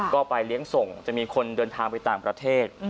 ก็ไปเลี้ยงส่งจะมีคนเดินทางไปต่างประเทศ